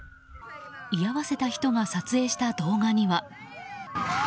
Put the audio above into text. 居合わせた人が撮影した動画には。